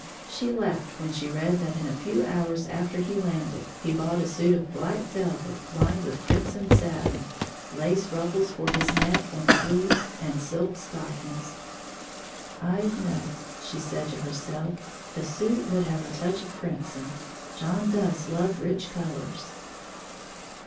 She laughed when she read that in a few hours after he landed he bought a suit of black velvet lined with crimson satin, lace ruffles for his neck and sleeves, and silk stockings. "I'd know," she said to herself, "the suit would have a touch of crimson John does love rich colors!"